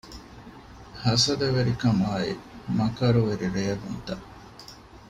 ހަސަދަވެރިކަމާއި މަކަރުވެރި ރޭވުންތައް